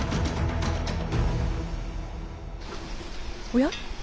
おや？